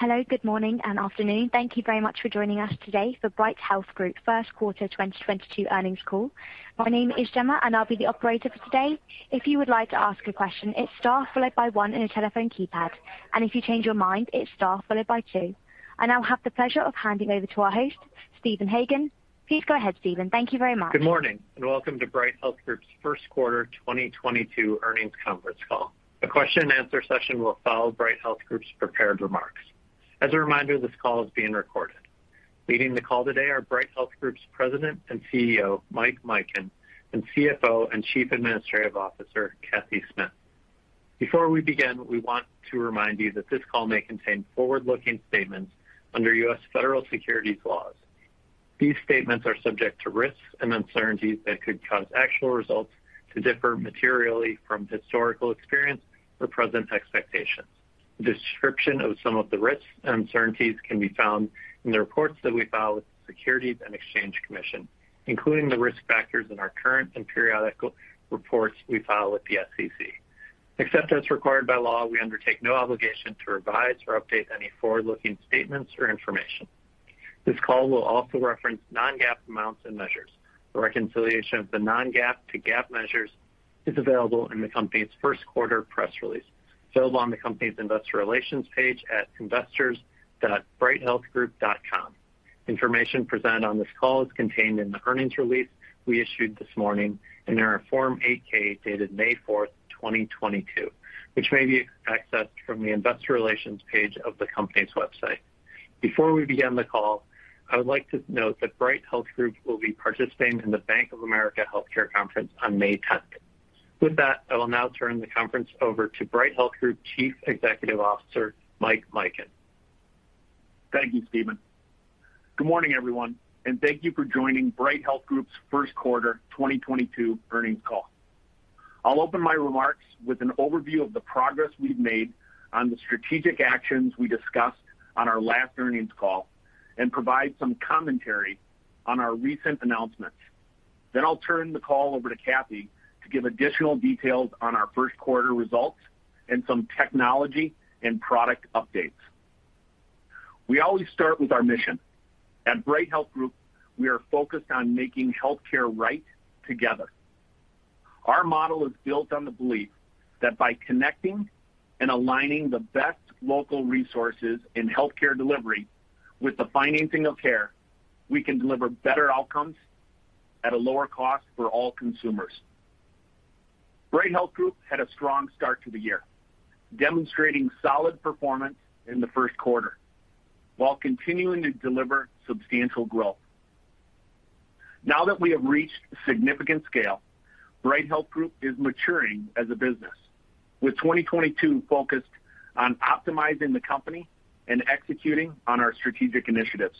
Hello, good morning and afternoon. Thank you very much for joining us today for Bright Health Group first quarter 2022 earnings call. My name is Gemma, and I'll be the operator for today. If you would like to ask a question, it's star followed by one in a telephone keypad. If you change your mind, it's star followed by two. I now have the pleasure of handing over to our host, Stephen Hagan. Please go ahead, Stephen. Thank you very much. Good morning, and welcome to Bright Health Group's first quarter 2022 earnings conference call. The question and answer session will follow Bright Health Group's prepared remarks. As a reminder, this call is being recorded. Leading the call today are Bright Health Group's President and CEO, Mike Mikan, and CFO and Chief Administrative Officer, Cathy Smith. Before we begin, we want to remind you that this call may contain forward-looking statements under U.S. Federal Securities laws. These statements are subject to risks and uncertainties that could cause actual results to differ materially from historical experience or present expectations. Description of some of the risks and uncertainties can be found in the reports that we file with the Securities and Exchange Commission, including the risk factors in our current and periodical reports we file with the SEC. Except as required by law, we undertake no obligation to revise or update any forward-looking statements or information. This call will also reference non-GAAP amounts and measures. The reconciliation of the non-GAAP to GAAP measures is available in the company's first quarter press release, filed on the company's investor relations page at investors.brighthealthgroup.com. Information presented on this call is contained in the earnings release we issued this morning in our Form 8-K dated May 4th, 2022, which may be accessed from the investor relations page of the company's website. Before we begin the call, I would like to note that Bright Health Group will be participating in the Bank of America Healthcare Conference on May 10th. With that, I will now turn the conference over to Bright Health Group Chief Executive Officer, Mike Mikan. Thank you, Stephen. Good morning, everyone, and thank you for joining NeueHealth's first quarter 2022 earnings call. I'll open my remarks with an overview of the progress we've made on the strategic actions we discussed on our last earnings call and provide some commentary on our recent announcements. I'll turn the call over to Kathy to give additional details on our first quarter results and some technology and product updates. We always start with our mission. At NeueHealth, we are focused on making healthcare right together. Our model is built on the belief that by connecting and aligning the best local resources in healthcare delivery with the financing of care, we can deliver better outcomes at a lower cost for all consumers. Bright Health Group had a strong start to the year, demonstrating solid performance in the first quarter while continuing to deliver substantial growth. Now that we have reached significant scale, Bright Health Group is maturing as a business, with 2022 focused on optimizing the company and executing on our strategic initiatives.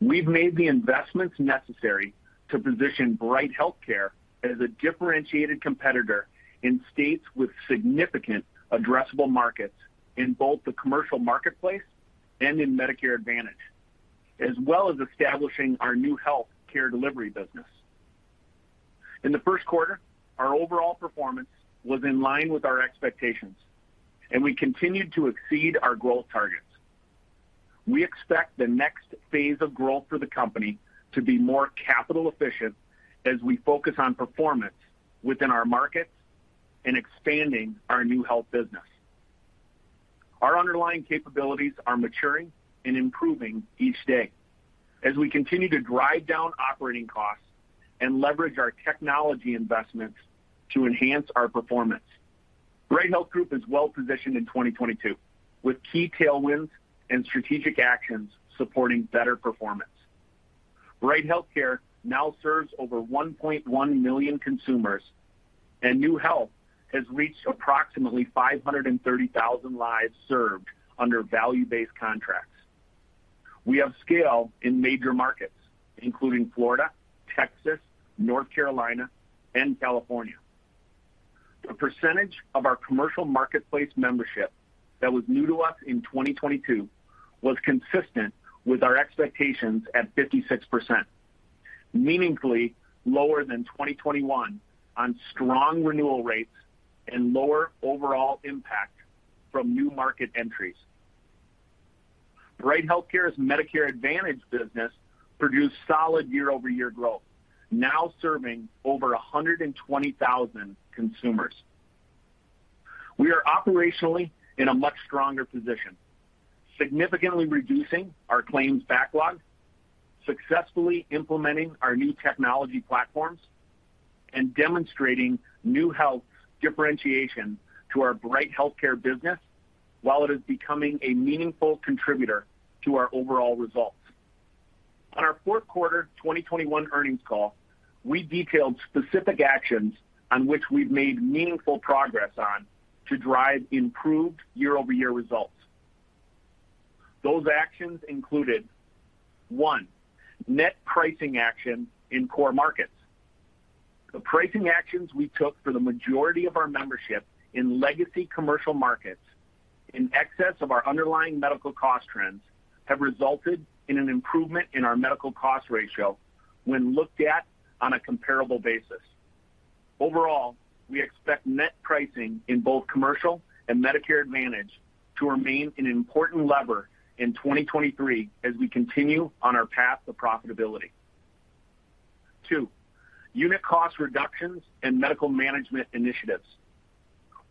We've made the investments necessary to position Bright Healthcare as a differentiated competitor in states with significant addressable markets in both the commercial marketplace and in Medicare Advantage, as well as establishing our new health care delivery business. In the first quarter, our overall performance was in line with our expectations, and we continued to exceed our growth targets. We expect the next phase of growth for the company to be more capital efficient as we focus on performance within our markets and expanding our new health business. Our underlying capabilities are maturing and improving each day as we continue to drive down operating costs and leverage our technology investments to enhance our performance. Bright Health Group is well-positioned in 2022, with key tailwinds and strategic actions supporting better performance. Bright Healthcare now serves over 1.1 million consumers, and NeueHealth has reached approximately 530,000 lives served under value-based contracts. We have scale in major markets, including Florida, Texas, North Carolina, and California. A percentage of our commercial marketplace membership that was new to us in 2022 was consistent with our expectations at 56%, meaningfully lower than 2021 on strong renewal rates and lower overall impact from new market entries. Bright Healthcare's Medicare Advantage business produced solid year-over-year growth, now serving over 120,000 consumers. We are operationally in a much stronger position, significantly reducing our claims backlog, successfully implementing our new technology platforms, and demonstrating new health differentiation to our Bright HealthCare business while it is becoming a meaningful contributor to our overall results. On our fourth quarter 2021 earnings call, we detailed specific actions on which we've made meaningful progress on to drive improved year-over-year results. Those actions included, one, net pricing action in core markets. The pricing actions we took for the majority of our membership in legacy commercial markets in excess of our underlying medical cost trends have resulted in an improvement in our medical cost ratio when looked at on a comparable basis. Overall, we expect net pricing in both commercial and Medicare Advantage to remain an important lever in 2023 as we continue on our path to profitability. Two, unit cost reductions and medical management initiatives.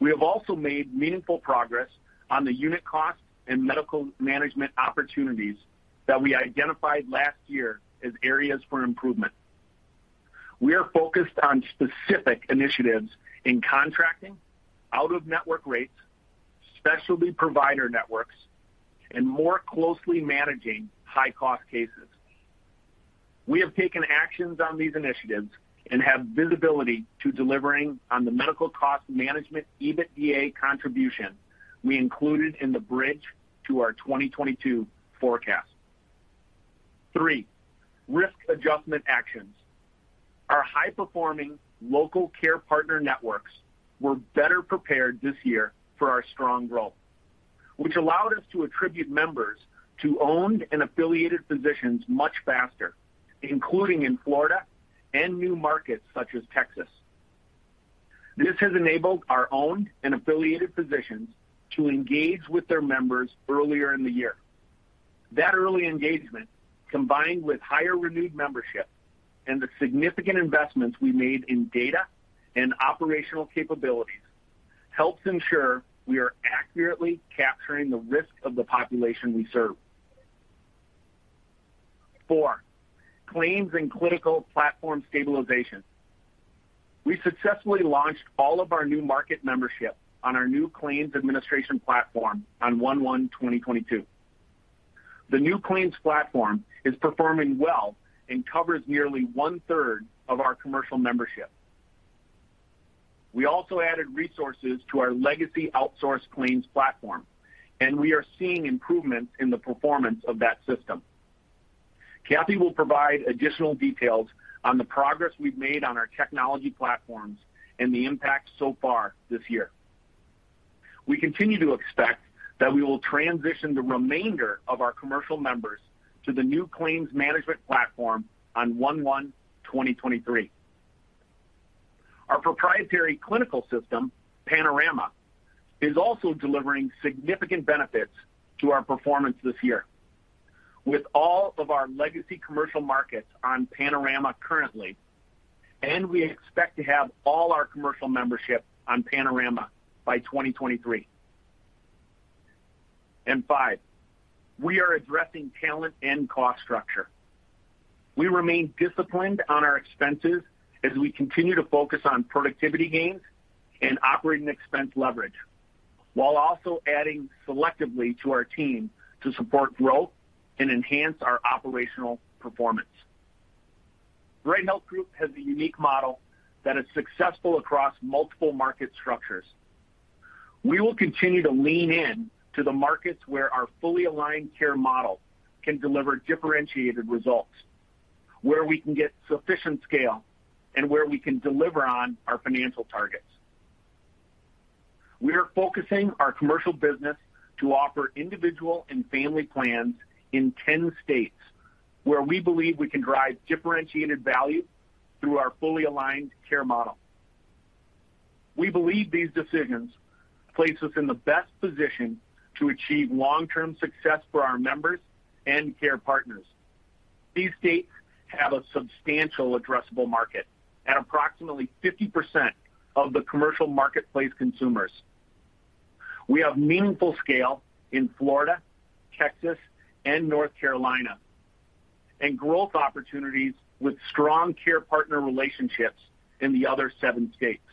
We have also made meaningful progress on the unit cost and medical management opportunities that we identified last year as areas for improvement. We are focused on specific initiatives in contracting, out-of-network rates, specialty provider networks, and more closely managing high-cost cases. We have taken actions on these initiatives and have visibility to delivering on the medical cost management EBITDA contribution we included in the bridge to our 2022 forecast. Three, risk adjustment actions. Our high-performing local care partner networks were better prepared this year for our strong growth, which allowed us to attribute members to owned and affiliated physicians much faster, including in Florida and new markets such as Texas. This has enabled our owned and affiliated physicians to engage with their members earlier in the year. That early engagement, combined with higher renewed membership and the significant investments we made in data and operational capabilities, helps ensure we are accurately capturing the risk of the population we serve. four, claims and clinical platform stabilization. We successfully launched all of our new market membership on our new claims administration platform on 1/1/2022. The new claims platform is performing well and covers nearly one-third of our commercial membership. We also added resources to our legacy outsourced claims platform, and we are seeing improvements in the performance of that system. Cathy will provide additional details on the progress we've made on our technology platforms and the impact so far this year. We continue to expect that we will transition the remainder of our commercial members to the new claims management platform on 1/1/2023. Our proprietary clinical system, Panorama, is also delivering significant benefits to our performance this year. With all of our legacy commercial markets on Panorama currently, and we expect to have all our commercial membership on Panorama by 2023. Five, we are addressing talent and cost structure. We remain disciplined on our expenses as we continue to focus on productivity gains and operating expense leverage, while also adding selectively to our team to support growth and enhance our operational performance. NeueHealth has a unique model that is successful across multiple market structures. We will continue to lean in to the markets where our fully aligned care model can deliver differentiated results, where we can get sufficient scale, and where we can deliver on our financial targets. We are focusing our commercial business to offer individual and family plans in 10 states where we believe we can drive differentiated value through our fully aligned care model. We believe these decisions place us in the best position to achieve long-term success for our members and care partners. These states have a substantial addressable market at approximately 50% of the commercial marketplace consumers. We have meaningful scale in Florida, Texas, and North Carolina, and growth opportunities with strong care partner relationships in the other seven states.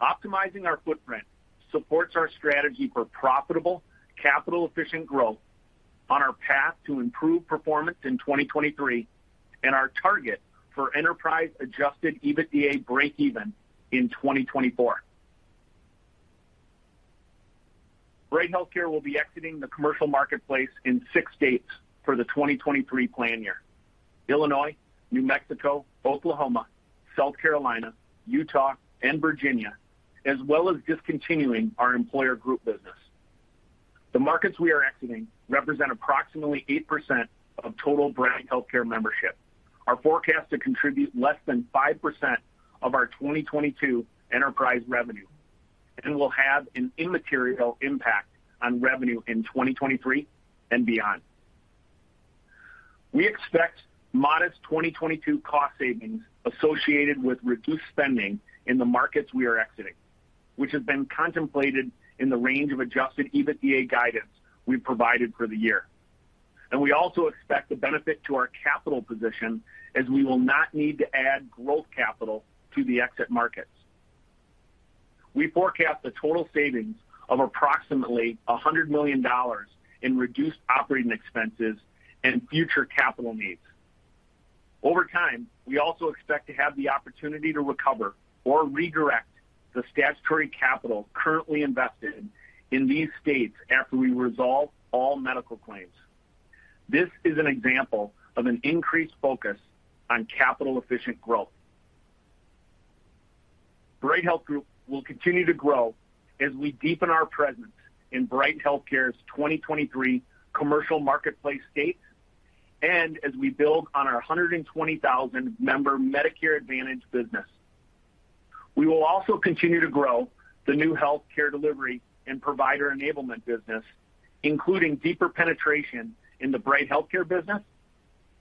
Optimizing our footprint supports our strategy for profitable, capital-efficient growth on our path to improve performance in 2023 and our target for enterprise-adjusted EBITDA breakeven in 2024. Bright HealthCare will be exiting the commercial marketplace in six states for the 2023 plan year, Illinois, New Mexico, Oklahoma, South Carolina, Utah, and Virginia, as well as discontinuing our employer group business. The markets we are exiting represent approximately 8% of total Bright HealthCare membership, are forecast to contribute less than 5% of our 2022 enterprise revenue, and will have an immaterial impact on revenue in 2023 and beyond. We expect modest 2022 cost savings associated with reduced spending in the markets we are exiting, which has been contemplated in the range of adjusted EBITDA guidance we provided for the year. We also expect a benefit to our capital position as we will not need to add growth capital to the exit markets. We forecast a total savings of approximately $100 million in reduced operating expenses and future capital needs. Over time, we also expect to have the opportunity to recover or redirect the statutory capital currently invested in these states after we resolve all medical claims. This is an example of an increased focus on capital-efficient growth. Bright Health Group will continue to grow as we deepen our presence in Bright HealthCare's 2023 commercial marketplace states, and as we build on our 120,000 member Medicare Advantage business. We will also continue to grow the new healthcare delivery and provider enablement business, including deeper penetration in the Bright HealthCare business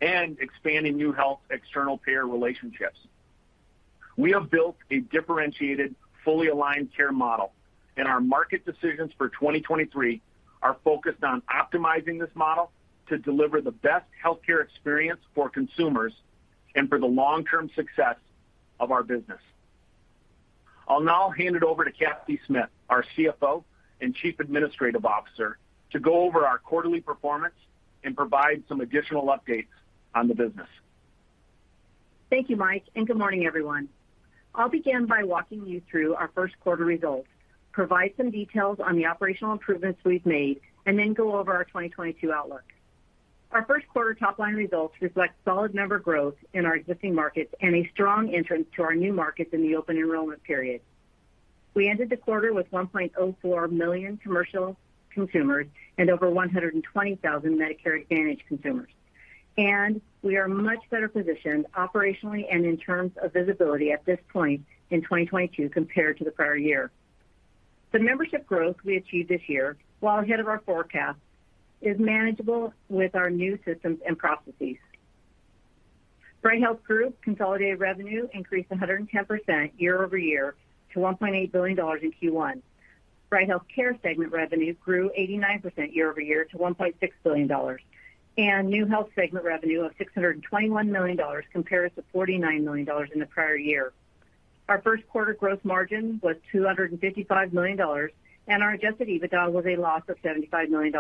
and expanding new health external payer relationships. We have built a differentiated, fully aligned care model, and our market decisions for 2023 are focused on optimizing this model to deliver the best healthcare experience for consumers and for the long-term success of our business. I'll now hand it over to Cathy Smith, our CFO and Chief Administrative Officer, to go over our quarterly performance and provide some additional updates on the business. Thank you, Mike, and good morning, everyone. I'll begin by walking you through our first quarter results, provide some details on the operational improvements we've made, and then go over our 2022 outlook. Our first quarter top-line results reflect solid number growth in our existing markets and a strong entrance to our new markets in the open enrollment period. We ended the quarter with 1.04 million commercial consumers and over 120,000 Medicare Advantage consumers. We are much better positioned operationally and in terms of visibility at this point in 2022 compared to the prior year. The membership growth we achieved this year, while ahead of our forecast, is manageable with our new systems and processes. Bright Health Group consolidated revenue increased 110% year-over-year to $1.8 billion in Q1. Bright HealthCare segment revenue grew 89% year-over-year to $1.6 billion, and NeueHealth segment revenue of $621 million compares to $49 million in the prior year. Our first quarter gross margin was $255 million, and our adjusted EBITDA was a loss of $75 million.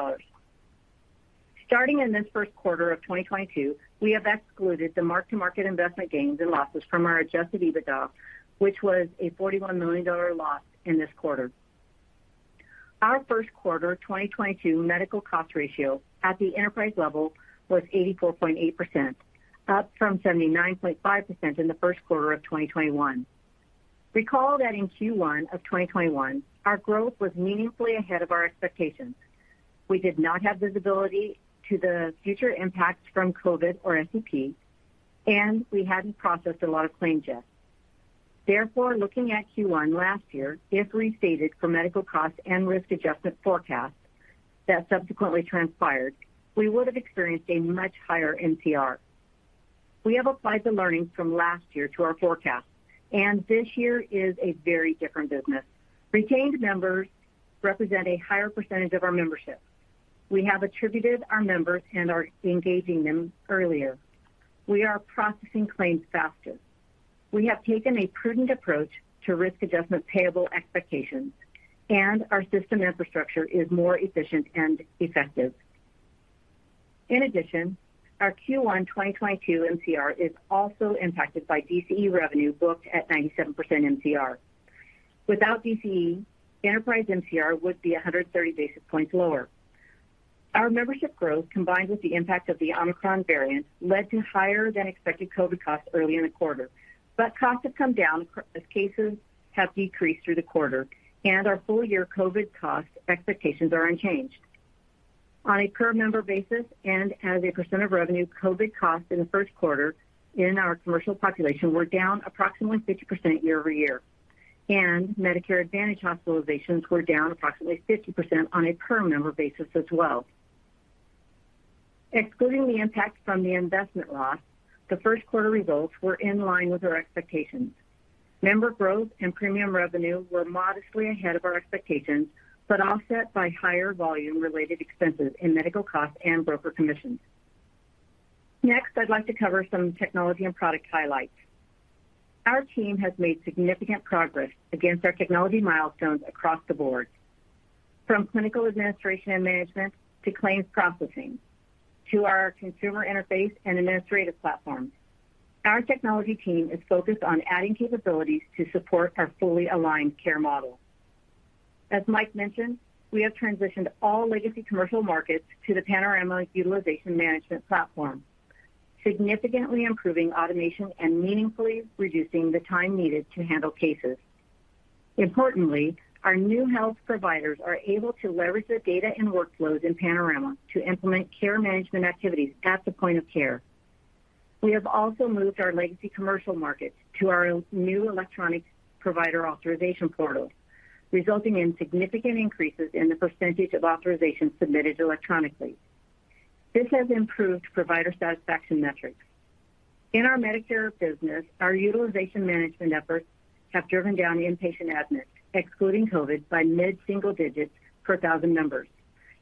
Starting in this first quarter of 2022, we have excluded the mark-to-market investment gains and losses from our adjusted EBITDA, which was a $41 million loss in this quarter. Our first quarter 2022 medical cost ratio at the enterprise level was 84.8%, up from 79.5% in the first quarter of 2021. Recall that in Q1 of 2021, our growth was meaningfully ahead of our expectations. We did not have visibility to the future impact from COVID or SEP, and we hadn't processed a lot of claims yet. Therefore, looking at Q1 last year, if restated for medical costs and risk adjustment forecasts that subsequently transpired, we would have experienced a much higher MCR. We have applied the learnings from last year to our forecast, and this year is a very different business. Retained members represent a higher percentage of our membership. We have attributed our members and are engaging them earlier. We are processing claims faster. We have taken a prudent approach to risk adjustment payable expectations, and our system infrastructure is more efficient and effective. In addition, our Q1 2022 MCR is also impacted by DCE revenue booked at 97% MCR. Without DCE, enterprise MCR would be 130 basis points lower. Our membership growth, combined with the impact of the Omicron variant, led to higher than expected COVID costs early in the quarter. Costs have come down as cases have decreased through the quarter, and our full year COVID cost expectations are unchanged. On a per member basis and as a percent of revenue, COVID costs in the first quarter in our commercial population were down approximately 50% year-over-year, and Medicare Advantage hospitalizations were down approximately 50% on a per member basis as well. Excluding the impact from the investment loss, the first quarter results were in line with our expectations. Member growth and premium revenue were modestly ahead of our expectations, but offset by higher volume related expenses in medical costs and broker commissions. Next, I'd like to cover some technology and product highlights. Our team has made significant progress against our technology milestones across the board, from clinical administration and management to claims processing to our consumer interface and administrative platforms. Our technology team is focused on adding capabilities to support our fully aligned care model. As Mike mentioned, we have transitioned all legacy commercial markets to the Panorama Utilization Management platform, significantly improving automation and meaningfully reducing the time needed to handle cases. Importantly, our new health providers are able to leverage their data and workflows in Panorama to implement care management activities at the point of care. We have also moved our legacy commercial markets to our new electronic provider authorization portal, resulting in significant increases in the percentage of authorizations submitted electronically. This has improved provider satisfaction metrics. In our Medicare business, our utilization management efforts have driven down inpatient admits, excluding COVID, by mid-single digits per thousand members,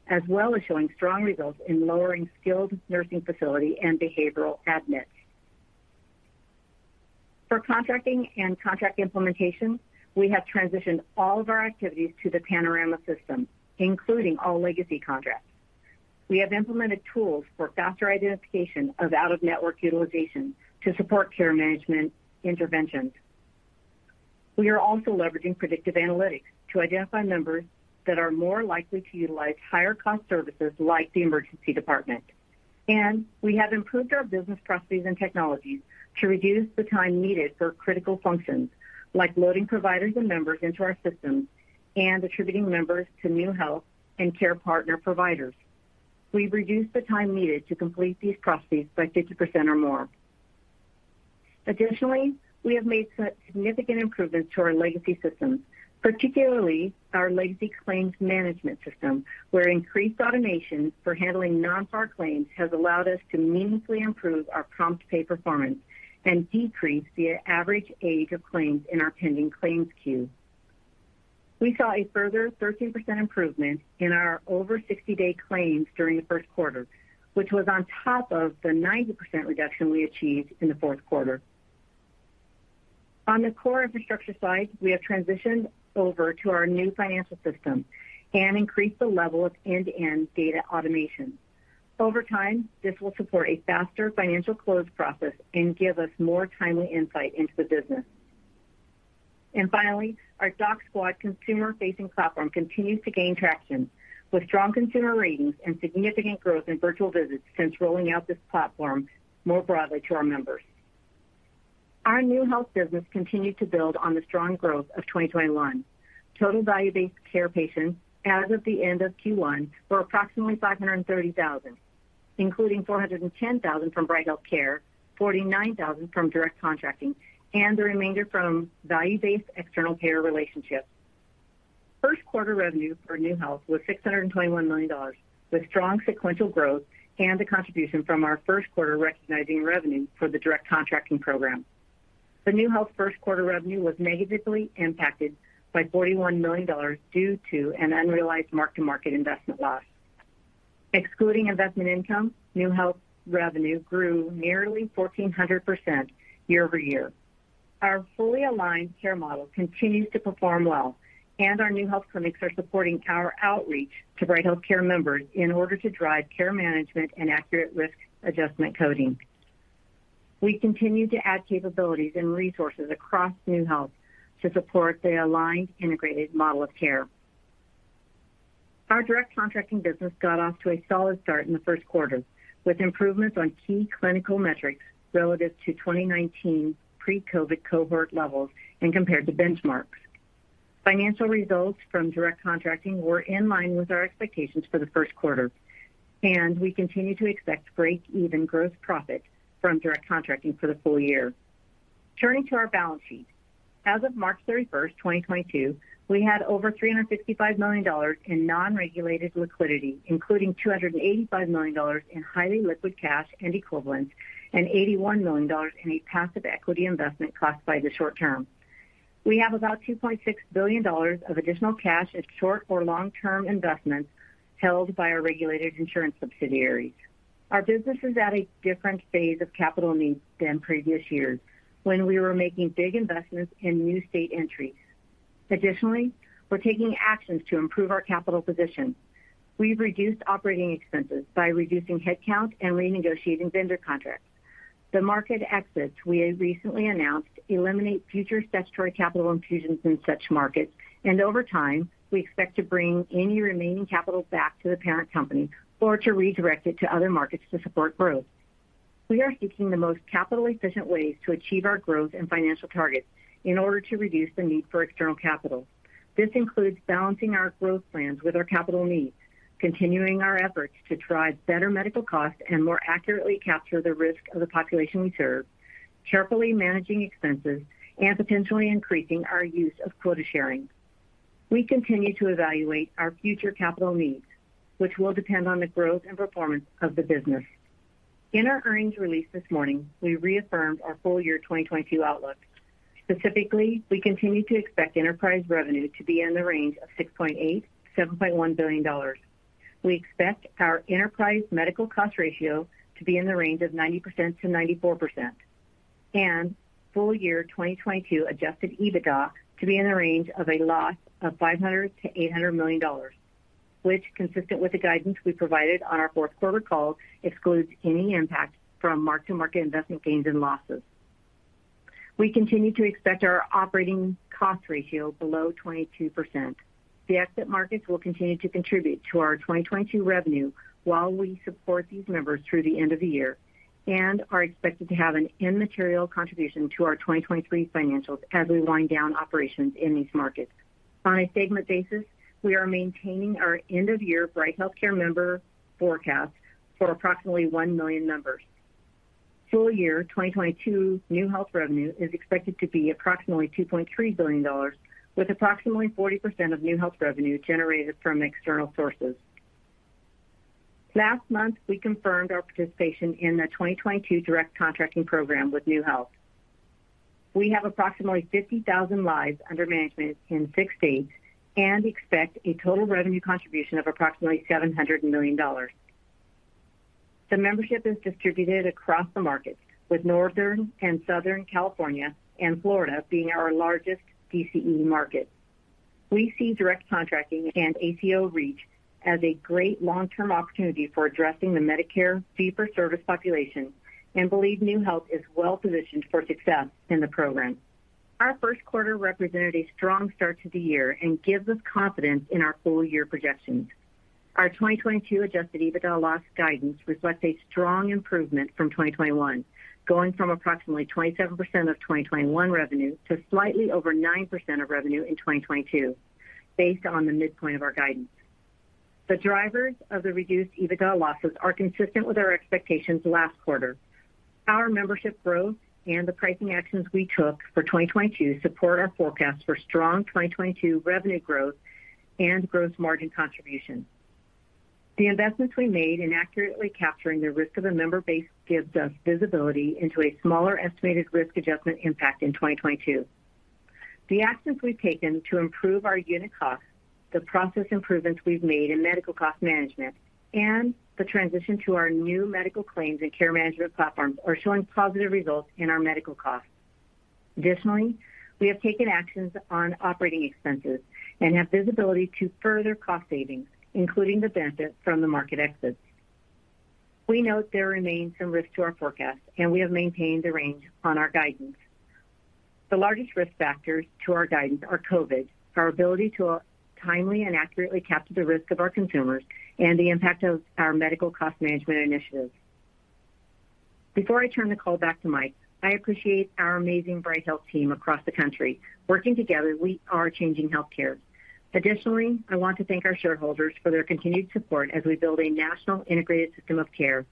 as well as showing strong results in lowering skilled nursing facility and behavioral admits. For contracting and contract implementation, we have transitioned all of our activities to the Panorama system, including all legacy contracts. We have implemented tools for faster identification of out-of-network utilization to support care management interventions. We are also leveraging predictive analytics to identify members that are more likely to utilize higher cost services like the emergency department. We have improved our business processes and technologies to reduce the time needed for critical functions like loading providers and members into our systems and attributing members to new health and care partner providers. We've reduced the time needed to complete these processes by 50% or more. We have made significant improvements to our legacy systems, particularly our legacy claims management system, where increased automation for handling non-PAR claims has allowed us to meaningfully improve our prompt pay performance and decrease the average age of claims in our pending claims queue. We saw a further 13% improvement in our over 60-day claims during the first quarter, which was on top of the 90% reduction we achieved in the fourth quarter. On the core infrastructure side, we have transitioned over to our new financial system and increased the level of end-to-end data automation. Over time, this will support a faster financial close process and give us more timely insight into the business. Finally, our DocSquad consumer-facing platform continues to gain traction, with strong consumer ratings and significant growth in virtual visits since rolling out this platform more broadly to our members. Our NeueHealth business continued to build on the strong growth of 2021. Total value-based care patients as of the end of Q1 were approximately 530,000, including 410,000 from Bright HealthCare, 49,000 from direct contracting, and the remainder from value-based external payer relationships. First quarter revenue for NeueHealth was $621 million, with strong sequential growth and a contribution from our first quarter recognizing revenue for the direct contracting program. The NeueHealth first quarter revenue was negatively impacted by $41 million due to an unrealized mark-to-market investment loss. Excluding investment income, NeueHealth revenue grew nearly 1,400% year-over-year. Our fully aligned care model continues to perform well, and our new health clinics are supporting our outreach to Bright HealthCare members in order to drive care management and accurate risk adjustment coding. We continue to add capabilities and resources across NeueHealth to support the aligned integrated model of care. Our direct contracting business got off to a solid start in the first quarter, with improvements on key clinical metrics relative to 2019 pre-COVID cohort levels and compared to benchmarks. Financial results from direct contracting were in line with our expectations for the first quarter, and we continue to expect breakeven gross profit from direct contracting for the full year. Turning to our balance sheet. As of March 31st, 2022, we had over $355 million in non-regulated liquidity, including $285 million in highly liquid cash and equivalents, and $81 million in a passive equity investment classified as short term. We have about $2.6 billion of additional cash as short or long-term investments held by our regulated insurance subsidiaries. Our business is at a different phase of capital needs than previous years when we were making big investments in new state entries. Additionally, we're taking actions to improve our capital position. We've reduced operating expenses by reducing headcount and renegotiating vendor contracts. The market exits we have recently announced eliminate future statutory capital infusions in such markets, and over time, we expect to bring any remaining capital back to the parent company or to redirect it to other markets to support growth. We are seeking the most capital efficient ways to achieve our growth and financial targets in order to reduce the need for external capital. This includes balancing our growth plans with our capital needs, continuing our efforts to drive better medical costs and more accurately capture the risk of the population we serve, carefully managing expenses, and potentially increasing our use of quota sharing. We continue to evaluate our future capital needs, which will depend on the growth and performance of the business. In our earnings release this morning, we reaffirmed our full year 2022 outlook. Specifically, we continue to expect enterprise revenue to be in the range of $6.8 billion-$7.1 billion. We expect our enterprise medical cost ratio to be in the range of 90%-94%. Full year 2022 adjusted EBITDA to be in the range of a loss of $500 million-$800 million, which consistent with the guidance we provided on our fourth quarter call, excludes any impact from mark-to-market investment gains and losses. We continue to expect our operating cost ratio below 22%. The exit markets will continue to contribute to our 2022 revenue while we support these members through the end of the year and are expected to have an immaterial contribution to our 2023 financials as we wind down operations in these markets. On a segment basis, we are maintaining our end of year Bright HealthCare member forecast for approximately 1 million members. Full year 2022 NeueHealth revenue is expected to be approximately $2.3 billion, with approximately 40% of NeueHealth revenue generated from external sources. Last month, we confirmed our participation in the 2022 direct contracting program with NeueHealth. We have approximately 50,000 lives under management in 6 states and expect a total revenue contribution of approximately $700 million. The membership is distributed across the markets, with Northern and Southern California and Florida being our largest DCE market. We see direct contracting and ACO REACH as a great long-term opportunity for addressing the Medicare fee-for-service population and believe NeueHealth is well-positioned for success in the program. Our first quarter represented a strong start to the year and gives us confidence in our full year projections. Our 2022 adjusted EBITDA loss guidance reflects a strong improvement from 2021, going from approximately 27% of 2021 revenue to slightly over 9% of revenue in 2022, based on the midpoint of our guidance. The drivers of the reduced EBITDA losses are consistent with our expectations last quarter. Our membership growth and the pricing actions we took for 2022 support our forecast for strong 2022 revenue growth and gross margin contribution. The investments we made in accurately capturing the risk of a member base gives us visibility into a smaller estimated risk adjustment impact in 2022. The actions we've taken to improve our unit costs, the process improvements we've made in medical cost management, and the transition to our new medical claims and care management platforms are showing positive results in our medical costs. Additionally, we have taken actions on operating expenses and have visibility to further cost savings, including the benefit from the market exits. We note there remains some risk to our forecast, and we have maintained the range on our guidance. The largest risk factors to our guidance are COVID, our ability to timely and accurately capture the risk of our consumers, and the impact of our medical cost management initiatives. Before I turn the call back to Mike, I appreciate our amazing Bright Health team across the country. Working together, we are changing health care. Additionally, I want to thank our shareholders for their continued support as we build a national integrated system of care.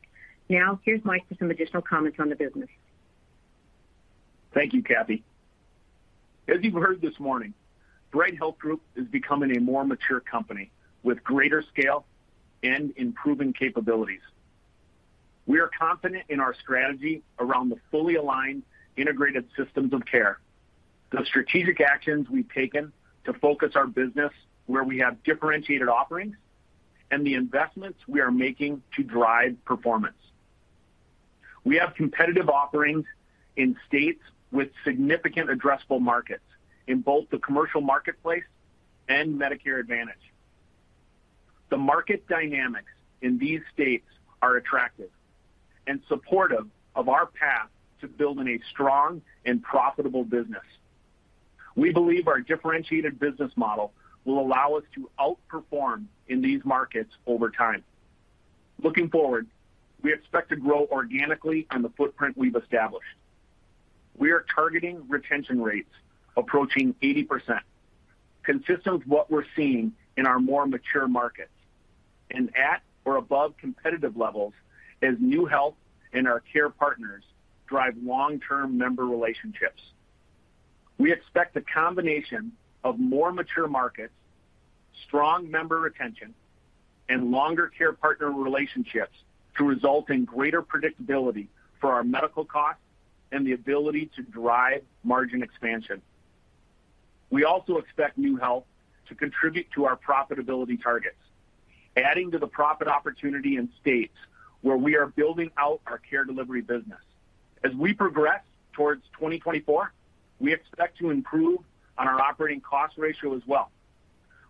Now, here's Mike for some additional comments on the business. Thank you, Cathy. As you've heard this morning, Bright Health Group is becoming a more mature company with greater scale and improving capabilities. We are confident in our strategy around the fully aligned integrated systems of care, the strategic actions we've taken to focus our business where we have differentiated offerings, and the investments we are making to drive performance. We have competitive offerings in states with significant addressable markets in both the commercial marketplace and Medicare Advantage. The market dynamics in these states are attractive and supportive of our path to building a strong and profitable business. We believe our differentiated business model will allow us to outperform in these markets over time. Looking forward, we expect to grow organically on the footprint we've established. We are targeting retention rates approaching 80%, consistent with what we're seeing in our more mature markets, and at or above competitive levels as NeueHealth and our care partners drive long-term member relationships. We expect the combination of more mature markets, strong member retention, and longer care partner relationships to result in greater predictability for our medical costs and the ability to drive margin expansion. We also expect NeueHealth to contribute to our profitability targets, adding to the profit opportunity in states where we are building out our care delivery business. As we progress towards 2024, we expect to improve on our operating cost ratio as well,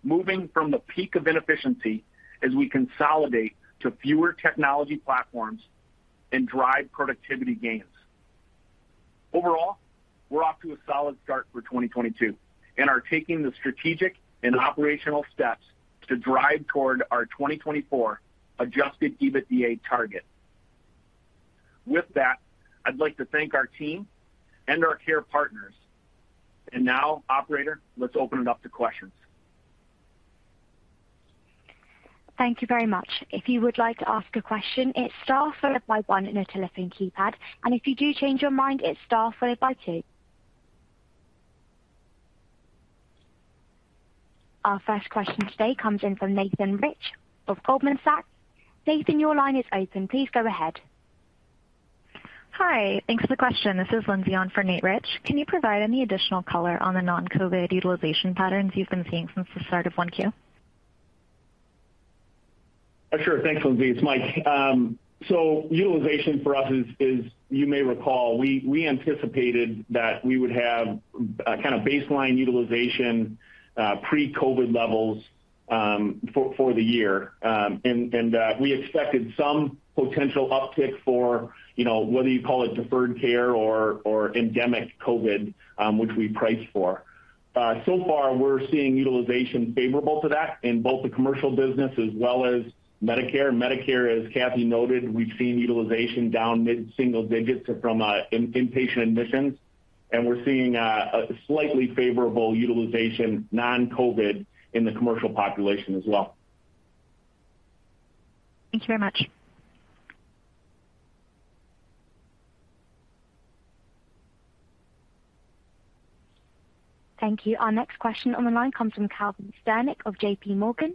moving from the peak of inefficiency as we consolidate to fewer technology platforms and drive productivity gains. Overall, we're off to a solid start for 2022 and are taking the strategic and operational steps to drive toward our 2024 adjusted EBITDA target. With that, I'd like to thank our team and our care partners. Now, operator, let's open it up to questions. Thank you very much. If you would like to ask a question, it's star followed by one on your telephone keypad. If you do change your mind, it's star followed by two. Our first question today comes in from Nathan Rich of Goldman Sachs. Nathan, your line is open. Please go ahead. Hi. Thanks for the question. This is Lindsay on for Nathan Rich. Can you provide any additional color on the non-COVID utilization patterns you've been seeing since the start of 1Q? Sure. Thanks, Lindsay. It's Mike. Utilization for us is, you may recall, we anticipated that we would have a kind of baseline utilization pre-COVID levels for the year. We expected some potential uptick, you know, whether you call it deferred care or endemic COVID, which we priced for. So far, we're seeing utilization favorable to that in both the commercial business as well as Medicare. Medicare, as Kathy noted, we've seen utilization down mid-single digits from inpatient admissions, and we're seeing a slightly favorable utilization non-COVID in the commercial population as well. Thank you very much. Thank you. Our next question on the line comes from Calvin Sternick of JP Morgan.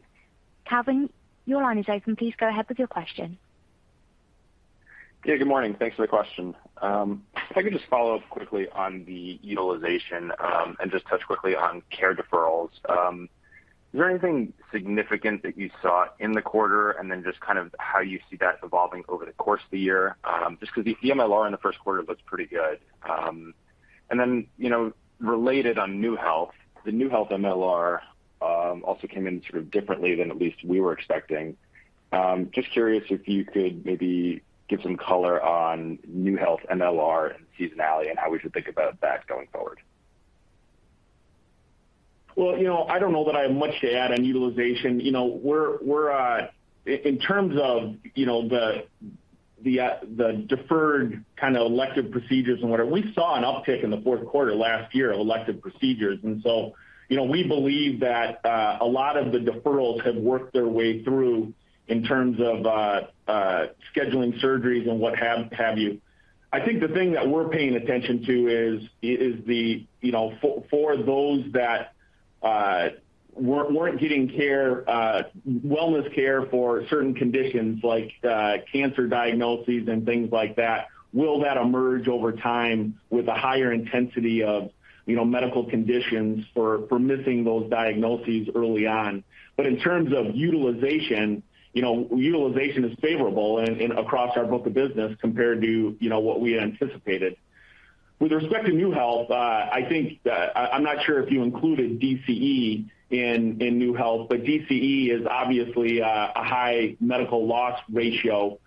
Calvin, your line is open. Please go ahead with your question. Yeah, good morning. Thanks for the question. If I could just follow up quickly on the utilization, and just touch quickly on care deferrals. Is there anything significant that you saw in the quarter? Just kind of how you see that evolving over the course of the year, just 'cause the MLR in the first quarter looks pretty good. You know, related on NeueHealth, the NeueHealth MLR, also came in sort of differently than at least we were expecting. Just curious if you could maybe give some color on NeueHealth MLR and seasonality and how we should think about that going forward. Well, you know, I don't know that I have much to add on utilization. You know, we're in terms of, you know, the deferred kind of elective procedures and whatever, we saw an uptick in the fourth quarter last year of elective procedures. You know, we believe that a lot of the deferrals have worked their way through in terms of scheduling surgeries and what have you. I think the thing that we're paying attention to is the, you know, for those that weren't getting care, wellness care for certain conditions like cancer diagnoses and things like that, will that emerge over time with a higher intensity of, you know, medical conditions for missing those diagnoses early on. In terms of utilization, you know, utilization is favorable across our book of business compared to, you know, what we had anticipated. With respect to NeueHealth, I think I'm not sure if you included DCE in NeueHealth, but DCE is obviously a high medical loss ratio,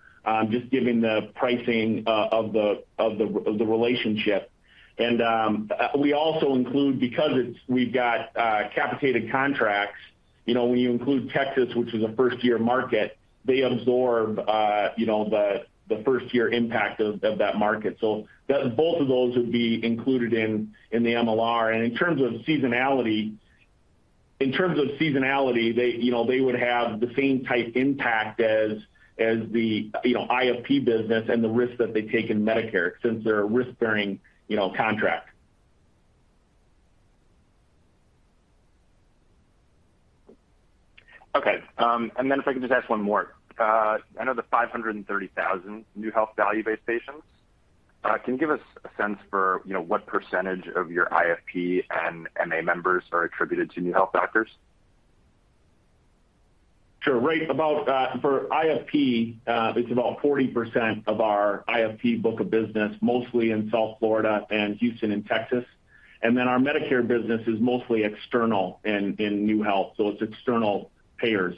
just given the pricing of the relationship. We also include, because we've got capitated contracts, you know, when you include Texas, which is a first-year market, they absorb, you know, the first-year impact of that market. Both of those would be included in the MLR. In terms of seasonality, they, you know, they would have the same type impact as the, you know, IFP business and the risk that they take in Medicare since they're a risk-bearing, you know, contract. If I can just ask one more. I know the 530,000 NeueHealth value-based patients. Can you give us a sense for, you know, what percentage of your IFP and MA members are attributed to NeueHealth doctors? Sure. Right. About for IFP, it's about 40% of our IFP book of business, mostly in South Florida and Houston and Texas. Then our Medicare business is mostly external in NeueHealth, so it's external payers.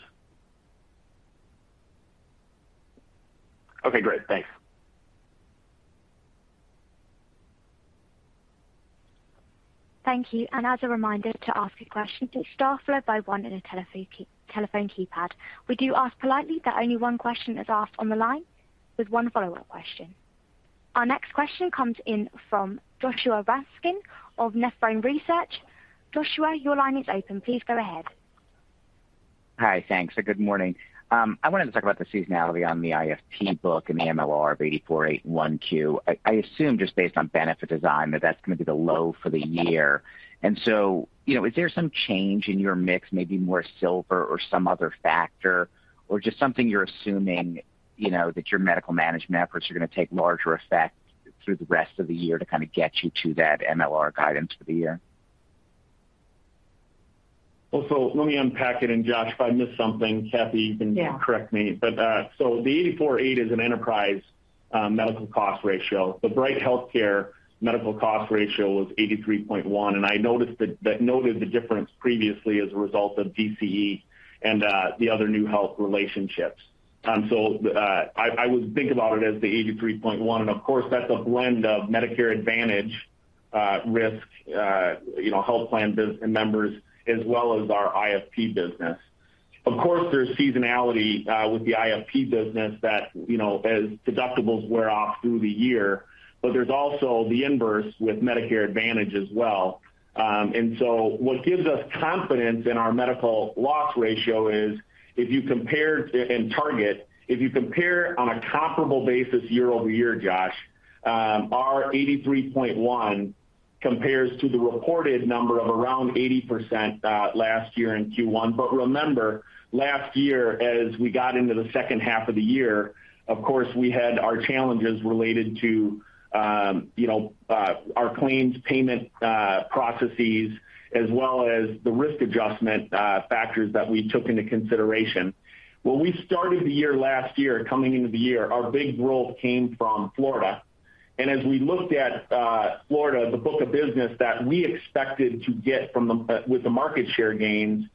Okay, great. Thanks. Thank you. As a reminder to ask a question, hit star followed by one on your telephone keypad. We do ask politely that only one question is asked on the line with one follow-up question. Our next question comes in from Joshua Raskin of Nephron Research. Joshua, your line is open. Please go ahead. Hi. Thanks. Good morning. I wanted to talk about the seasonality on the IFP book and the MLR of 84.81% Q1. I assume, just based on benefit design, that that's going to be the low for the year. You know, is there some change in your mix, maybe more silver or some other factor or just something you're assuming, you know, that your medical management efforts are going to take larger effect through the rest of the year to kind of get you to that MLR guidance for the year? Well, let me unpack it. Josh, if I miss something, Cathy, you can- Yeah. The 84.8% is an enterprise medical cost ratio. The Bright HealthCare medical cost ratio was 83.1%, and I noticed the difference previously as a result of DCE and the other NeueHealth relationships. I would think about it as the 83.1%. Of course, that's a blend of Medicare Advantage risk, you know, health plan business members as well as our IFP business. Of course, there's seasonality with the IFP business that, you know, as deductibles wear off through the year, but there's also the inverse with Medicare Advantage as well. What gives us confidence in our medical loss ratio is if you compare on a comparable basis year-over-year, Joshua Raskin, our 83.1% compares to the reported number of around 80% last year in Q1. Remember, last year, as we got into the second half of the year, of course, we had our challenges related to you know, our claims payment processes as well as the risk adjustment factors that we took into consideration. When we started the year last year, coming into the year, our big growth came from Florida. As we looked at Florida, the book of business that we expected to get with the market share gains,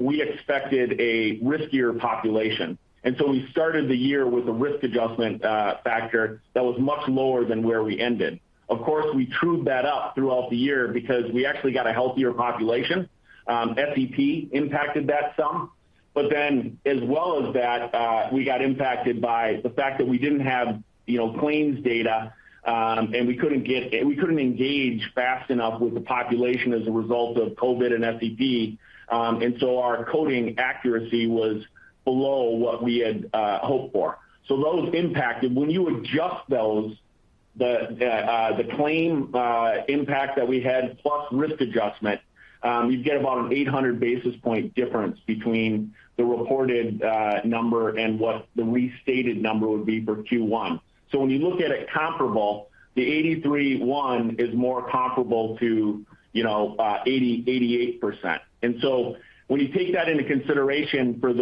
we expected a riskier population. We started the year with a risk adjustment factor that was much lower than where we ended. Of course, we trued that up throughout the year because we actually got a healthier population. SEP impacted that some. But then as well as that, we got impacted by the fact that we didn't have, you know, claims data, and we couldn't engage fast enough with the population as a result of COVID and SEP. Our coding accuracy was below what we had hoped for. Those impacted. When you adjust those, the claim impact that we had plus risk adjustment, you'd get about an 800 basis point difference between the reported number and what the restated number would be for Q1. When you look at it comparable, the 83.1 is more comparable to 88%. When you take that into consideration for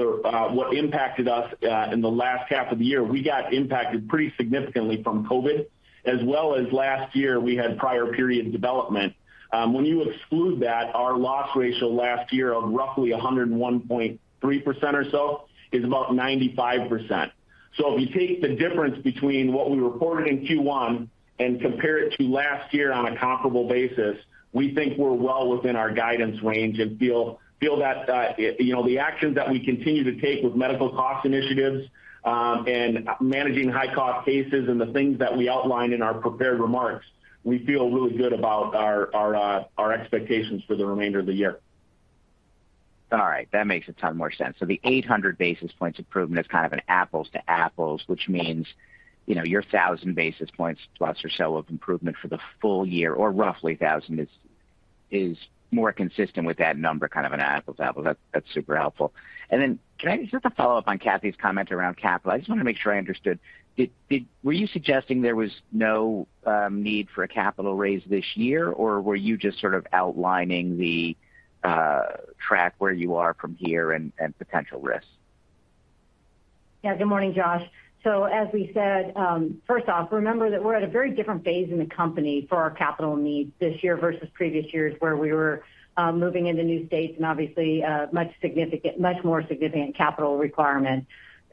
what impacted us in the last half of the year, we got impacted pretty significantly from COVID. As well as last year, we had prior period development. When you exclude that, our loss ratio last year of roughly 101.3% or so is about 95%. If you take the difference between what we reported in Q1 and compare it to last year on a comparable basis, we think we're well within our guidance range and feel that, you know, the actions that we continue to take with medical cost initiatives, and managing high cost cases and the things that we outlined in our prepared remarks, we feel really good about our expectations for the remainder of the year. All right, that makes a ton more sense. The 800 basis points improvement is kind of an apples to apples, which means, your 1,000 basis points plus or so of improvement for the full year or roughly 1,000 is more consistent with that number, kind of an apples to apples. That's super helpful. Then can I just follow up on Cathy's comment around capital. I just want to make sure I understood. Were you suggesting there was no need for a capital raise this year, or were you just sort of outlining the track where you are from here and potential risks? Yeah, good morning, Josh. As we said, first off, remember that we're at a very different phase in the company for our capital needs this year versus previous years where we were moving into new states and obviously much more significant capital requirement.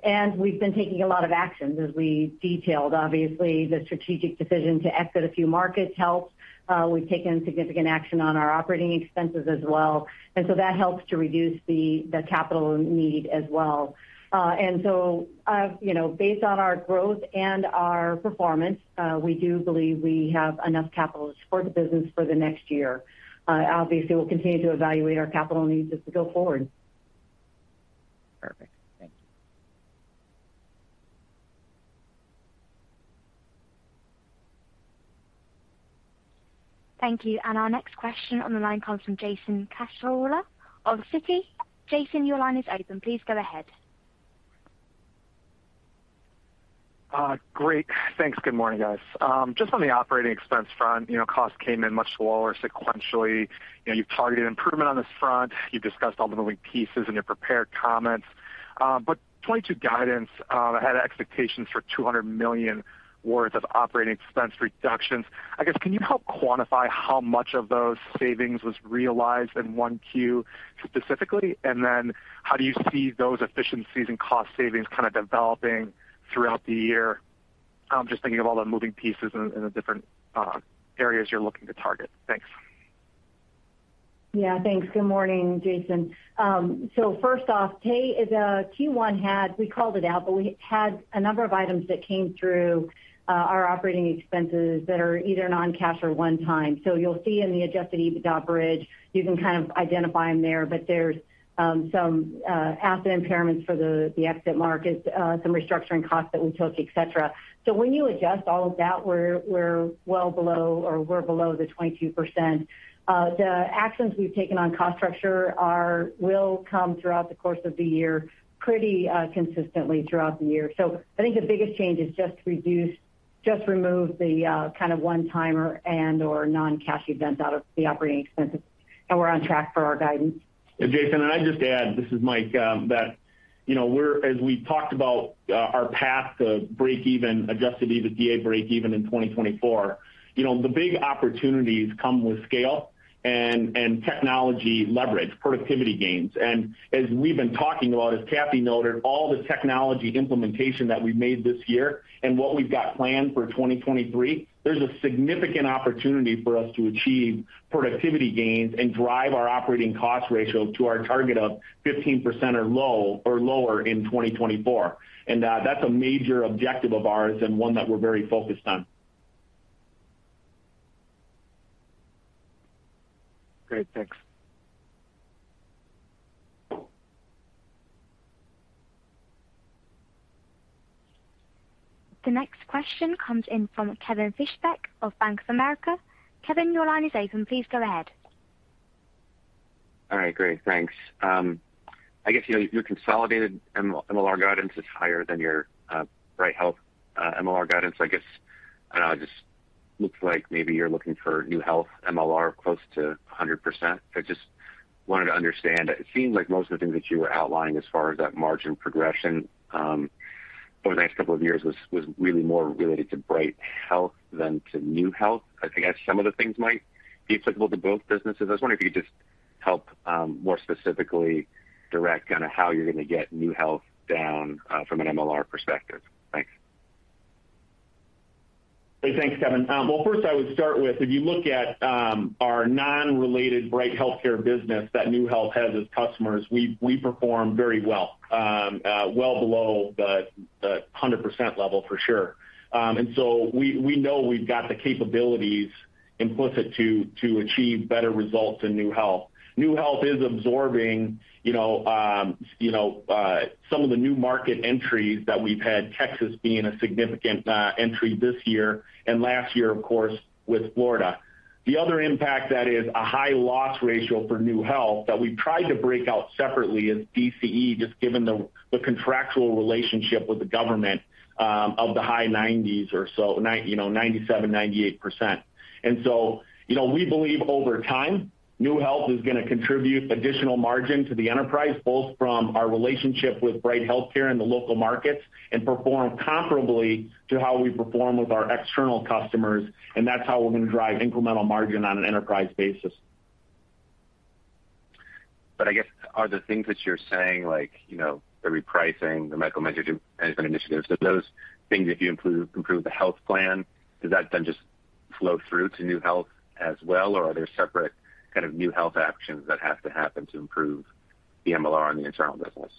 We've been taking a lot of actions, as we detailed. Obviously, the strategic decision to exit a few markets helps. We've taken significant action on our operating expenses as well, and so that helps to reduce the capital need as well. You know, based on our growth and our performance, we do believe we have enough capital to support the business for the next year. Obviously, we'll continue to evaluate our capital needs as we go forward. Perfect. Thank you. Thank you. Our next question on the line comes from Jason Casella of Citi. Jason, your line is open. Please go ahead. Great. Thanks. Good morning, guys. Just on the operating expense front, you know, costs came in much lower sequentially. You know, you've targeted improvement on this front. You've discussed all the moving pieces in your prepared comments. But 2022 guidance had expectations for $200 million worth of operating expense reductions. I guess, can you help quantify how much of those savings was realized in Q1 specifically? And then how do you see those efficiencies and cost savings kind of developing throughout the year? Just thinking of all the moving pieces in the different areas you're looking to target. Thanks. Yeah, thanks. Good morning, Jason. First off, Q1 had, we called it out, but we had a number of items that came through our operating expenses that are either non-cash or one-time. You'll see in the adjusted EBITDA bridge, you can kind of identify them there. There's some asset impairments for the exit markets, some restructuring costs that we took, et cetera. When you adjust all of that, we're well below or below the 22%. The actions we've taken on cost structure will come throughout the course of the year, pretty consistently throughout the year. I think the biggest change is just remove the kind of one-timer and/or non-cash events out of the operating expenses. We're on track for our guidance. Jason, I'd just add, this is Mike Mikan, that you know as we talked about our path to break even, adjusted EBITDA break even in 2024, you know the big opportunities come with scale and technology leverage, productivity gains. As we've been talking about, as Cathy noted, all the technology implementation that we made this year and what we've got planned for 2023, there's a significant opportunity for us to achieve productivity gains and drive our operating cost ratio to our target of 15% or lower in 2024. That's a major objective of ours and one that we're very focused on. Great. Thanks. The next question comes in from Kevin Fischbeck of Bank of America. Kevin, your line is open. Please go ahead. All right, great. Thanks. I guess, you know, your consolidated MLR guidance is higher than your, Bright Health, MLR guidance. I guess, I don't know, it just looks like maybe you're looking for NeueHealth MLR close to 100%. I just wanted to understand. It seems like most of the things that you were outlining as far as that margin progression, over the next couple of years was really more related to Bright Health than to NeueHealth. I guess some of the things might be applicable to both businesses. I was wondering if you could just help, more specifically direct kind of how you're going to get NeueHealth down, from an MLR perspective. Thanks. Hey, thanks, Kevin. Well, first I would start with, if you look at our non-related Bright HealthCare business that NeueHealth has as customers, we perform very well, well below the 100% level for sure. We know we've got the capabilities implicit to achieve better results in NeueHealth. NeueHealth is absorbing, you know, some of the new market entries that we've had, Texas being a significant entry this year and last year, of course, with Florida. The other impact that is a high loss ratio for NeueHealth that we've tried to break out separately is DCE, just given the contractual relationship with the government, of the high nineties or so, you know, 97%, 98%. you know, we believe over time, NeueHealth is gonna contribute additional margin to the enterprise, both from our relationship with Bright HealthCare in the local markets and perform comparably to how we perform with our external customers. That's how we're gonna drive incremental margin on an enterprise basis. I guess are the things that you're saying like, you know, the repricing, the medical management initiatives, those things, if you improve the health plan, does that then just flow through to NeueHealth as well? Or are there separate kind of NeueHealth actions that have to happen to improve the MLR on the internal business?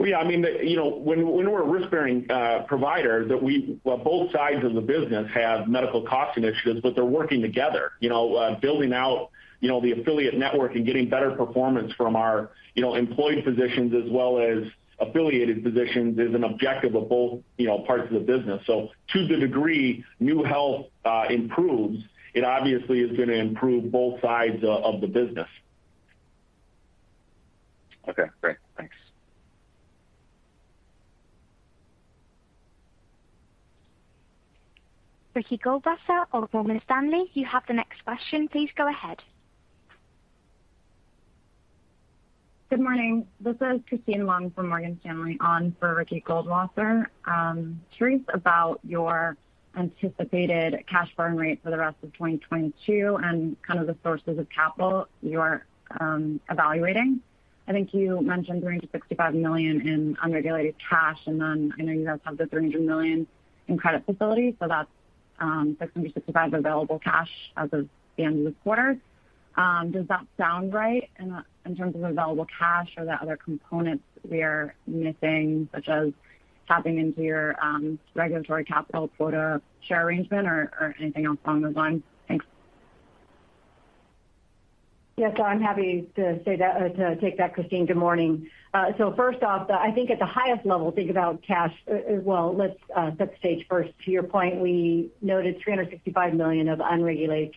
I mean, the, you know, when we're a risk-bearing provider that we, well, both sides of the business have medical cost initiatives, but they're working together. You know, building out, you know, the affiliate network and getting better performance from our, you know, employee physicians as well as affiliated physicians is an objective of both, you know, parts of the business. To the degree NeueHealth improves, it obviously is gonna improve both sides of the business. Okay, great. Thanks. Ricky Goldwasser of Morgan Stanley, you have the next question. Please go ahead. Good morning. This is Christine Long from Morgan Stanley on for Ricky Goldwasser. Curious about your anticipated cash burn rate for the rest of 2022 and kind of the sources of capital you are evaluating. I think you mentioned bringing to $65 million in unregulated cash, and then I know you guys have the $300 million in credit facility, so that's $665 million available cash as of the end of the quarter. Does that sound right in terms of available cash or are there other components we are missing, such as tapping into your regulatory capital quota share arrangement or anything else along those lines? Thanks. Yeah. I'm happy to say that, to take that, Christine. Good morning. First off, I think at the highest level, think about cash, well, let's set the stage first. To your point, we noted $365 million of unregulated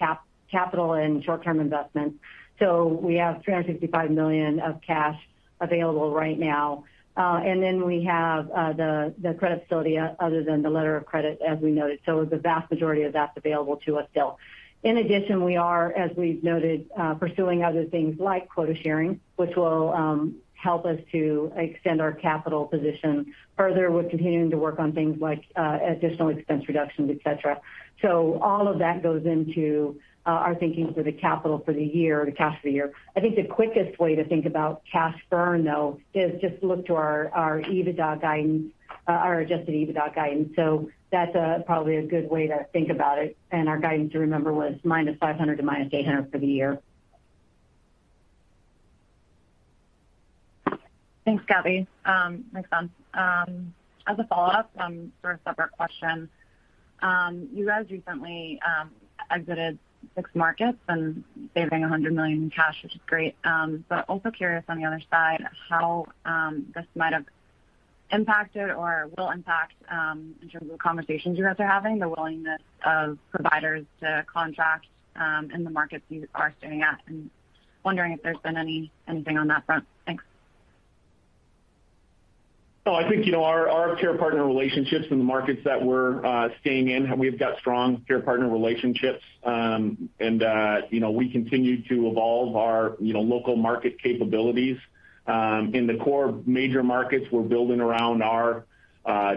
capital and short-term investments. We have $365 million of cash available right now. Then we have the credit facility other than the letter of credit as we noted. The vast majority of that's available to us still. In addition, we are, as we've noted, pursuing other things like quota sharing, which will help us to extend our capital position further. We're continuing to work on things like additional expense reductions, et cetera. All of that goes into our thinking for the capital for the year, the cash for the year. I think the quickest way to think about cash burn, though, is just look to our EBITDA guidance, our adjusted EBITDA guidance. That's probably a good way to think about it. Our guidance to remember was -$500 to -$800 for the year. Thanks, Cathy. Makes sense. As a follow-up, for a separate question. You guys recently exited six markets and saving $100 million in cash, which is great. But also curious on the other side how this might have impacted or will impact, in terms of the conversations you guys are having, the willingness of providers to contract in the markets you are staying at. Wondering if there's been anything on that front. Thanks. I think, you know, our care partner relationships in the markets that we're staying in, we've got strong care partner relationships. You know, we continue to evolve our, you know, local market capabilities. In the core major markets, we're building around our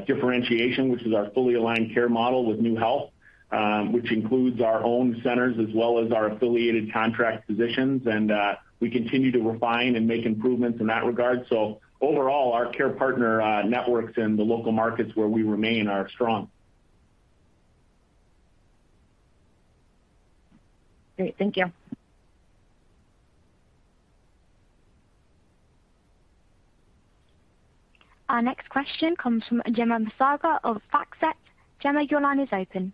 differentiation, which is our fully aligned care model with NeueHealth, which includes our own centers as well as our affiliated contract physicians. We continue to refine and make improvements in that regard. Overall, our care partner networks in the local markets where we remain are strong. Great. Thank you. Our next question comes from Gemma Massaga of FactSet. Gemma, your line is open.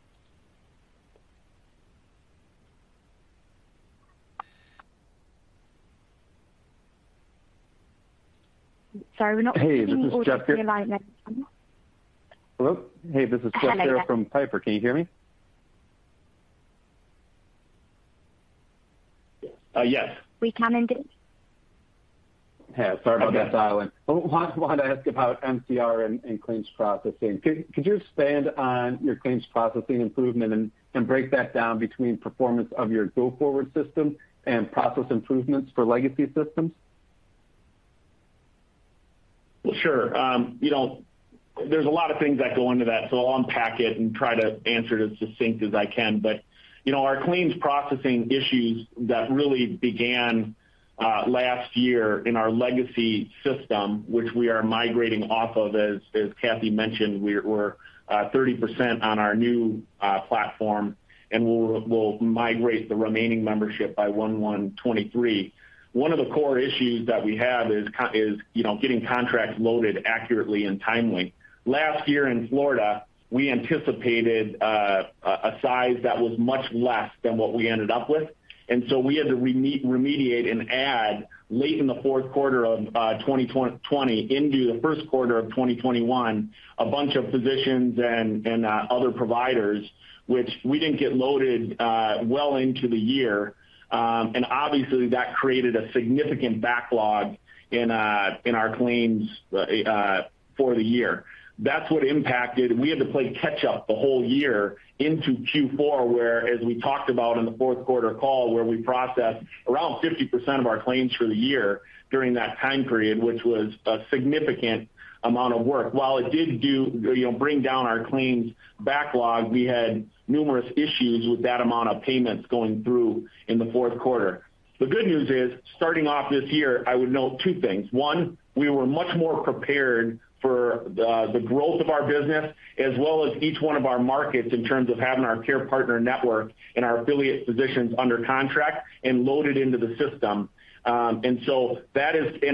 Sorry, we're not receiving audio for your line there. Hey, this is Jeff. Hello there. Hello. Hey, this is Jeff Garro from Piper. Can you hear me? Yes. We can indeed. Yeah. Sorry about that silence. I want to ask about MCR and claims processing. Could you expand on your claims processing improvement and break that down between performance of your go-forward system and process improvements for legacy systems? Well, sure. You know, there's a lot of things that go into that, so I'll unpack it and try to answer it as succinct as I can. You know, our claims processing issues that really began last year in our legacy system, which we are migrating off of, as Cathy mentioned, we're 30% on our new platform, and we'll migrate the remaining membership by 1/1/2023. One of the core issues that we have is, you know, getting contracts loaded accurately and timely. Last year in Florida, we anticipated a size that was much less than what we ended up with. We had to remediate and add late in the fourth quarter of 2020 into the first quarter of 2021, a bunch of physicians and other providers, which we didn't get loaded well into the year. Obviously, that created a significant backlog in our claims for the year. That's what impacted. We had to play catch up the whole year into Q4, where, as we talked about in the fourth quarter call, we processed around 50% of our claims for the year during that time period, which was a significant amount of work. While it did, you know, bring down our claims backlog, we had numerous issues with that amount of payments going through in the fourth quarter. The good news is, starting off this year, I would note two things. One, we were much more prepared for the growth of our business as well as each one of our markets in terms of having our care partner network and our affiliate physicians under contract and loaded into the system.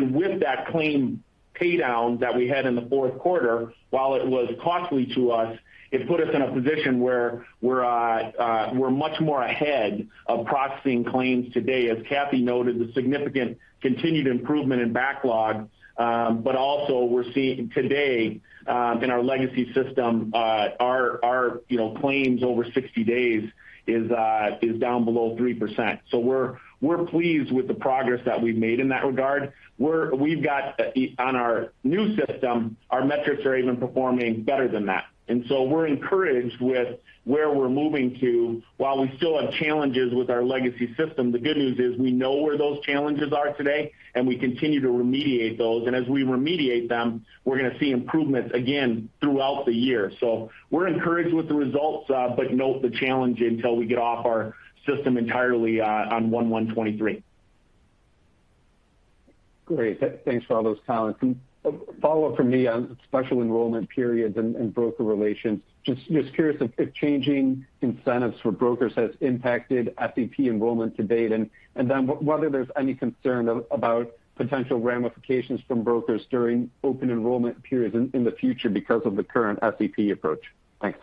With that claims paydown that we had in the fourth quarter, while it was costly to us, it put us in a position where we're much more ahead of processing claims today. As Kathy noted, the significant continued improvement in backlog, but also we're seeing today in our legacy system, our you know, claims over 60 days is down below 3%. We're pleased with the progress that we've made in that regard. We've got on our new system, our metrics are even performing better than that. We're encouraged with where we're moving to. While we still have challenges with our legacy system, the good news is we know where those challenges are today, and we continue to remediate those. As we remediate them, we're gonna see improvements again throughout the year. We're encouraged with the results, but note the challenge until we get off our system entirely, on 1/1/2023. Great. Thanks for all those comments. A follow-up from me on special enrollment periods and broker relations. Just curious if changing incentives for brokers has impacted FEP enrollment to date? Then whether there's any concern about potential ramifications from brokers during open enrollment periods in the future because of the current FEP approach? Thanks.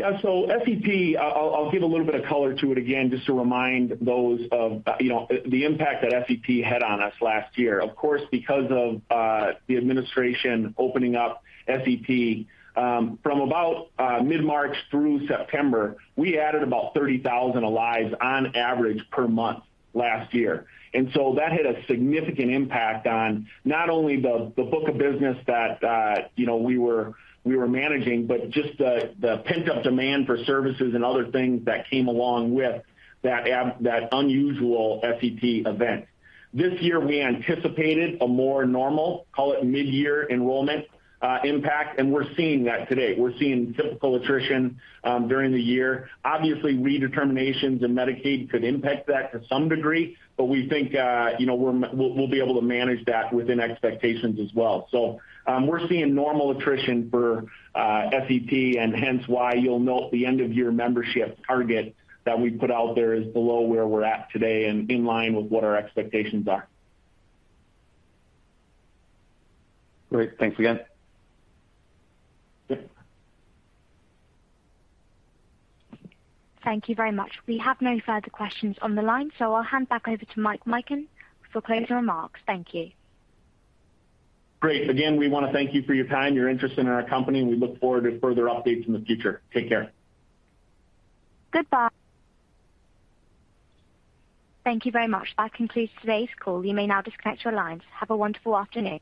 FEP, I'll give a little bit of color to it again just to remind those of the impact that FEP had on us last year. Of course, because of the administration opening up FEP, from about mid-March through September, we added about 30,000 lives on average per month last year. That had a significant impact on not only the book of business that we were managing, but just the pent-up demand for services and other things that came along with that unusual FEP event. This year we anticipated a more normal, call it mid-year enrollment impact, and we're seeing that today. We're seeing typical attrition during the year. Obviously, redeterminations in Medicaid could impact that to some degree, but we think, you know, we'll be able to manage that within expectations as well. We're seeing normal attrition for FEP and hence why you'll note the end of year membership target that we put out there is below where we're at today and in line with what our expectations are. Great. Thanks again. Sure. Thank you very much. We have no further questions on the line, so I'll hand back over to Mike Mikan for closing remarks. Thank you. Great. Again, we wanna thank you for your time, your interest in our company, and we look forward to further updates in the future. Take care. Goodbye. Thank you very much. That concludes today's call. You may now disconnect your lines. Have a wonderful afternoon.